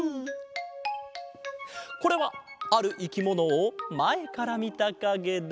これはあるいきものをまえからみたかげだ。